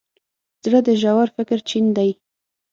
زړه د ژور فکر چین دی.